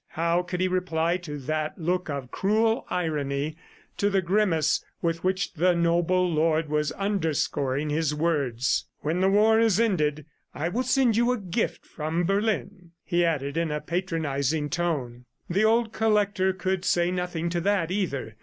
How could he reply to that look of cruel irony, to the grimace with which the noble lord was underscoring his words? ... "When the war is ended, I will send you a gift from Berlin," he added in a patronizing tone. The old collector could say nothing to that, either.